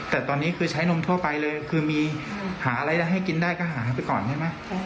แต่ตอนนี้คือใช้นมทั่วไปเลยคือมีหาอะไรได้ให้กินได้ก็หายไปก่อนใช่ไหม